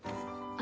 あ。